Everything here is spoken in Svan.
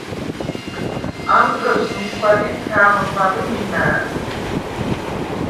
ამ დრუ̂ეუ̂ს მიშგუ̂ა დიდ ქა̄̈მჷმბაუ̂ე მი მა̄̈გ: